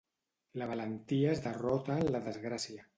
La valentia es derrota en la desgràcia.